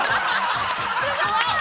◆すごい！